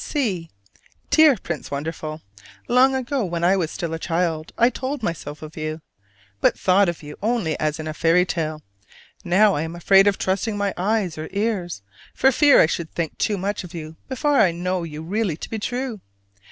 C. Dear Prince Wonderful: Long ago when I was still a child I told myself of you: but thought of you only as in a fairy tale. Now I am afraid of trusting my eyes or ears, for fear I should think too much of you before I know you really to be true.